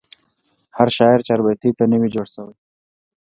هر شاعر چاربیتې ته نه وي جوړسوی.